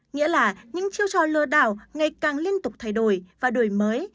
nghĩa là những chiêu trò lừa đảo ngày càng liên tục thay đổi và đổi mới